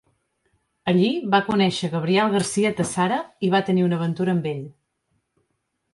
Allí va conèixer Gabriel García Tassara i va tenir una aventura amb ell.